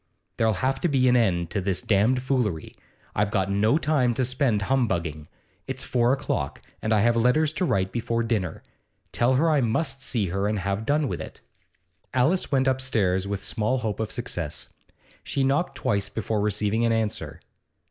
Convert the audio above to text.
There'll have to be an end to this damned foolery. I've got no time to spend humbugging. It's four o'clock, and I have letters to write before dinner. Tell her I must see her, and have done with it.' Alice went upstairs with small hope of success. She knocked twice before receiving an answer.